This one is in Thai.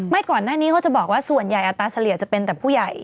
ก่อนหน้านี้เขาจะบอกว่าส่วนใหญ่อัตราเฉลี่ยจะเป็นแต่ผู้ใหญ่